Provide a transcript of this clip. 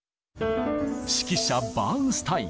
指揮者バーンスタイン。